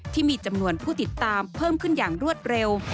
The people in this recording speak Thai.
ที่มีจำนวนผู้ติดตามเพิ่มขึ้นอย่างรวดเร็ว